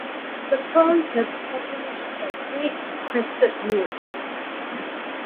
The ponds have populations of great crested newts.